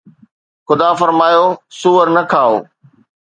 خدا فرمايو سوئر نه کائو